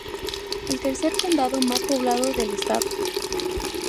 Es el tercer condado más poblado del estado.